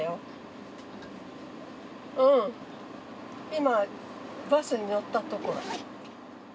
今バスに乗ったところ。